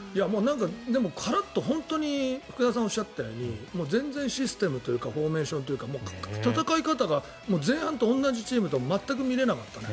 でも、ガラッと本当に福田さんがおっしゃったように全然システムというかフォーメーションというか戦い方が前半と同じチームとは全く見れなかったね。